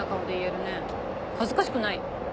恥ずかしくない？